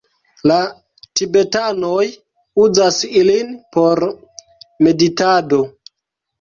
La tibetanoj uzas ilin por meditado.